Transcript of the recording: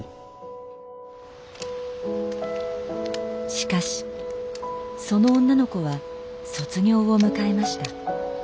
しかしその女の子は卒業を迎えました。